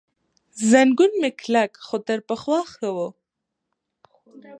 زنګون مې کلک، خو تر پخوا ښه و.